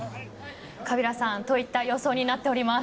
カビラさんといった予想になっています。